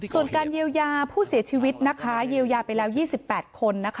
ส่วนการเยียวยาผู้เสียชีวิตเยียวยาไปแล้ว๒๘คน